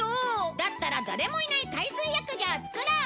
だったら誰もいない海水浴場を作ろう！